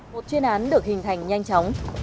một chuyên án được hình thành nhanh chóng